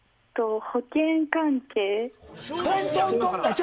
保険関係。